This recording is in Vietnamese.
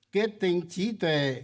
kết tinh trí tuệ